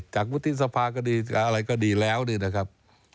จากวิธีสภาก็ดีอะไรก็ดีแล้วเนี่ยนะครับ